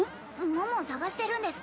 桃を捜してるんです